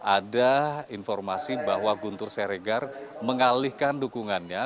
ada informasi bahwa guntur siregar mengalihkan dukungannya